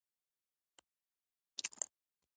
د پکتیکا په خوشامند کې د سمنټو مواد شته.